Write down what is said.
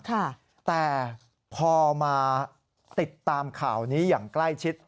แต่พอมาติดตามข่าวนี้อย่างใกล้ชิด